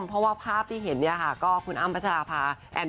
เพราะว่าภาพที่เห็นเนี่ยค่ะก็คุณอ้ำพัชราภา